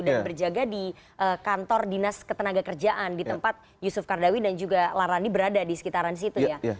dan berjaga di kantor dinas ketenaga kerjaan di tempat yusuf kardawi dan juga larandi berada di sekitaran situ ya